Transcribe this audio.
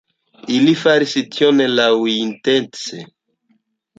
Ili faris tion laŭintence.